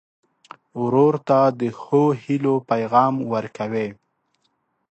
ورور ته د ښو هيلو پیغام ورکوې.